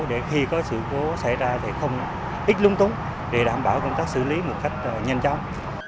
để khi có sự cố xảy ra thì không ít lung túng để đảm bảo công tác xử lý một cách nhanh chóng